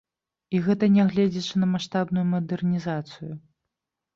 І гэта нягледзячы на маштабную мадэрнізацыю!